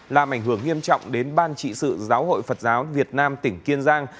làm ảnh hưởng nghiêm trọng đến ban trị sự giáo hội phật giáo việt nam tỉnh kiên giang